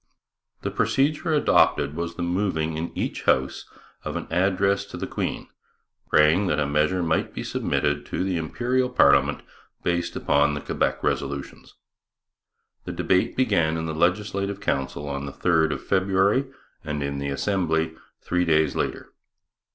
The procedure adopted was the moving in each House of an address to the Queen praying that a measure might be submitted to the Imperial parliament based upon the Quebec resolutions. The debate began in the Legislative Council on the 3rd of February and in the Assembly three days later.